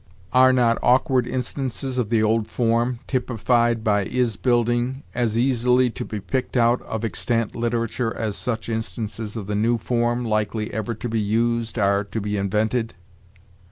Are not awkward instances of the old form, typified by is building, as easily to be picked out of extant literature as such instances of the new form, likely ever to be used, are to be invented?